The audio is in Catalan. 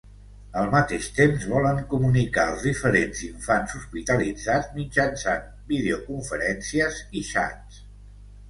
Al mateix temps volen comunicar els diferents infants hospitalitzats mitjançant videoconferències i xats.